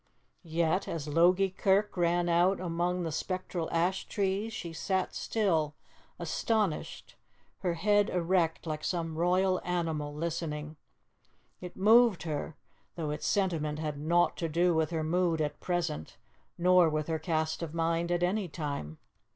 Yet, as 'Logie Kirk' rang out among the spectral ash trees, she sat still, astonished, her head erect, like some royal animal listening; it moved her, though its sentiment had naught to do with her mood at present, nor with her cast of mind at any time.